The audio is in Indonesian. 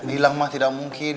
ilang mah tidak mungkin